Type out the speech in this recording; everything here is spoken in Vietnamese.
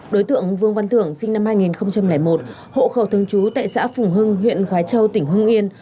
đối tượng vương văn thưởng sinh năm hai nghìn một hộ khẩu thương chú tại xã phùng hưng huyện khói châu tỉnh hưng yên